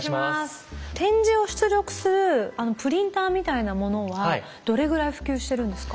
点字を出力するあのプリンターみたいなものはどれぐらい普及してるんですか？